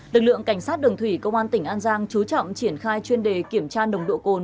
lực lượng cảnh sát đường thủy công an tỉnh an giang chú trọng triển khai chuyên đề kiểm tra nồng độ cồn